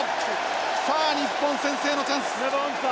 さあ日本先制のチャンス！